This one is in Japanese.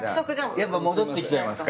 やっぱ戻って来ちゃいますか？